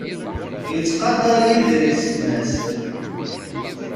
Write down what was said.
Yettqadar Yidir yessetma-s.